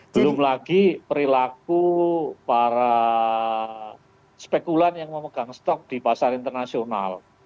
belum lagi perilaku para spekulan yang memegang stok di pasar internasional